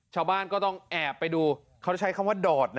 ชาวบ้านก็ต้องแอบไปดูเขาใช้คำว่าดอดนะ